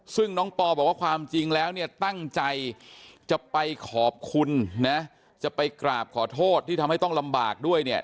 ซึ่งน้องปอบอกว่าความจริงแล้วเนี่ยตั้งใจจะไปขอบคุณนะจะไปกราบขอโทษที่ทำให้ต้องลำบากด้วยเนี่ย